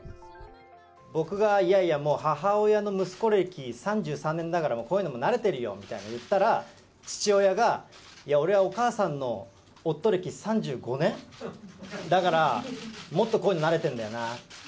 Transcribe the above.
僕がいやいや、母親の息子歴３３年だから、こういうのもう慣れてるよみたいなの言ったら、父親がいや、俺はお母さんの夫歴３５年だから、もっとこういうの慣れてるんだよなって。